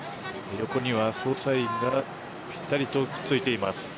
横には捜査員がぴったりとくっついています。